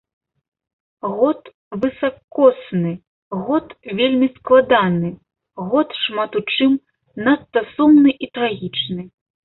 Год высакосны, год вельмі складаны, год шмат у чым надта сумны і трагічны.